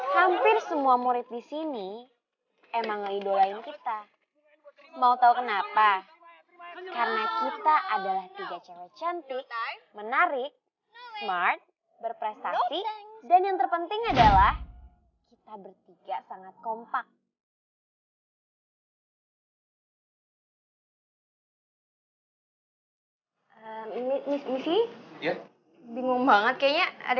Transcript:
hampir semua murid di sini emang ngeidolain kita